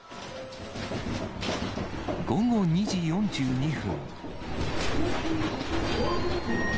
午後２時４２分。